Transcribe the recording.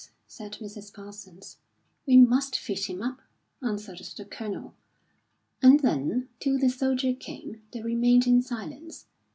said Mrs. Parsons. "We must feed him up," answered the Colonel. And then, till the soldier came, they remained in silence. Mrs.